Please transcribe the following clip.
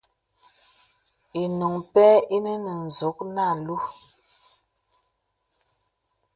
Ìnùŋ pɛ̂ inə nə nzùk nə alūū.